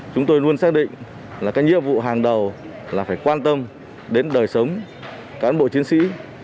chúng tôi luôn xác định là cái nhiệm vụ hàng đầu là phải quan tâm đến đời sống cán bộ chiến sĩ